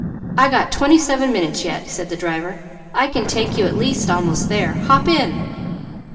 "I got twenty seven minutes yet," said the driver. "I can take you at least almost there. Hop in."